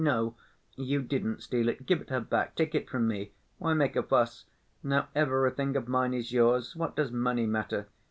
No, you didn't steal it. Give it her back, take it from me.... Why make a fuss? Now everything of mine is yours. What does money matter?